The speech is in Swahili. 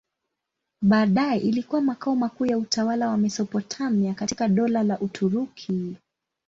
Baadaye ilikuwa makao makuu ya utawala wa Mesopotamia katika Dola la Uturuki.